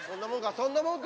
そんなもんか？